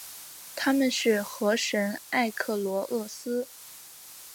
她们是河神埃克罗厄斯。